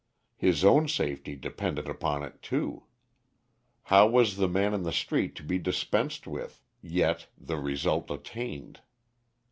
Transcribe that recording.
His own safety depended upon it too. How was the man in the street to be dispensed with, yet the result attained?